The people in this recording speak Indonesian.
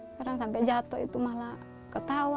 sekarang sampai jatuh itu malah ketawa